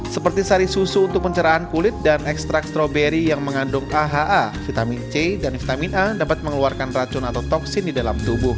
seperti sari susu untuk pencerahan kulit dan ekstrak stroberi yang mengandung aha vitamin c dan vitamin a dapat mengeluarkan racun atau toksin di dalam tubuh